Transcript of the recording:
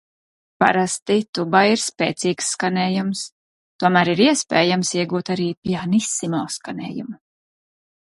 "Parasti tubai ir spēcīgs skanējums, tomēr ir iespējams iegūt arī "pianissimo" skanējumu."